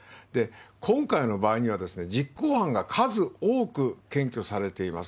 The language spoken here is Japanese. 今回の場合には、実行犯が数多く検挙されています。